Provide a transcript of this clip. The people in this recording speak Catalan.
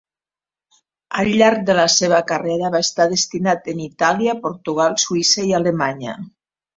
Al llarg de la seva carrera va estar destinat en Itàlia, Portugal, Suïssa i Alemanya.